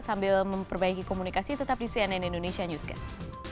sambil memperbaiki komunikasi tetap di cnn indonesia newscast